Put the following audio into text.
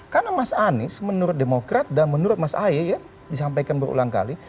karena mas anies menurut demokrat dan menurut mas aie ya disampaikan berulang kali